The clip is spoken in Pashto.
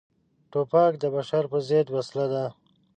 توپک د بشر پر ضد وسله ده.